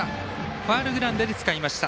ファウルグラウンドでつかみました。